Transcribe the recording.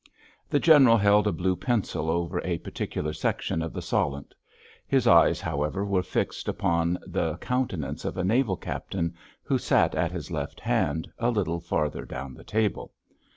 The General held a blue pencil over a particular section of the Solent; his eyes, however, were fixed upon the countenance of a naval captain who sat at his left hand, a little farther down the table.